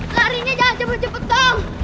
larinya jangan cepet cepet dong